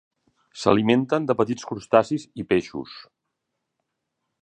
S'alimenten de petits crustacis i peixos.